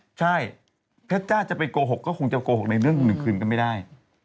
ใช่เพชรจ้าจะไปโกหกก็คงจะโกหกในเรื่องหนึ่งคืนก็ไม่ได้